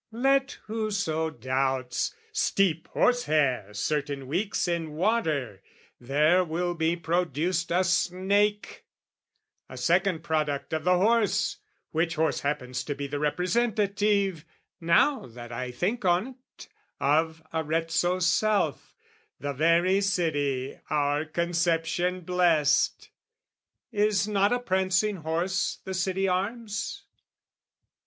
Let whoso doubts, steep horsehair certain weeks, In water, there will be produced a snake; A second product of the horse, which horse Happens to be the representative Now that I think on't of Arezzo's self The very city our conception blessed! Is not a prancing horse the City arms?